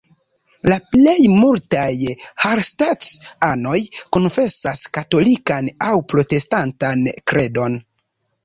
La plej multaj Hallstatt-anoj konfesas katolikan aŭ protestantan kredon.